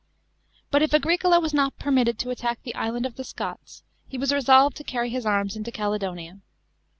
f § 5. But if Agricola was not permitted to attack the island of the Scots, he was resolved to carry his arms hvo Caledonia.